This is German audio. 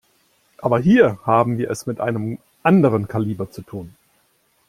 Aber hier haben wir es mit einem anderen Kaliber zu tun.